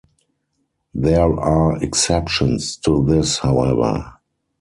There are exceptions to this, however.